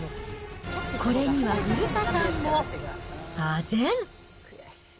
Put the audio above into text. これには古田さんもあぜん。